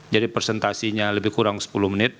jadi presentasinya lebih kurang sepuluh menit